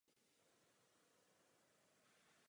O zákazu financování nucených potratů.